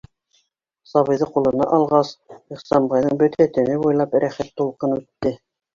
Сабыйҙы ҡулына алғас, Ихсанбайҙың бөтә тәне буйлап рәхәт тулҡын үтте.